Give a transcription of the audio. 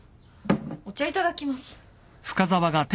お茶いただきます。